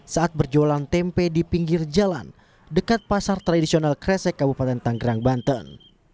saat berjualan tempe di pinggir jalan dekat pasar tradisional kresek kabupaten tanggerang banten